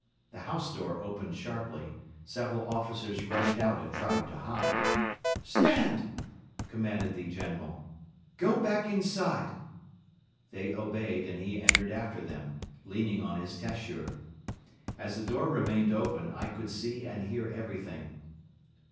The house door opened sharply, several officers rushed out and tried to hide. "Stand!" commanded the General. "Go back inside." They obeyed and he entered after them, leaning on his tashur. As the door remained open, I could see and hear everything.